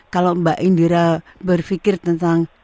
kalau mbak indira berpikir tentang